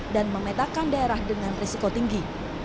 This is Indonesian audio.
memetakan daerah dengan risiko tinggi